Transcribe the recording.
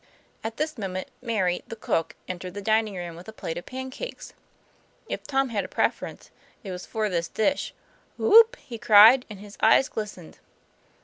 At this moment Mary the cook entered the dining room with a plate of pancakes. If Tom had a preference, it was for this dish. "Whoop!" he cried, and his eyes glistened.